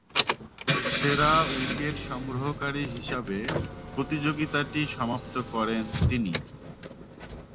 সেরা উইকেট সংগ্রহকারী হিসাবে প্রতিযোগিতাটি সমাপ্ত করেন তিনি।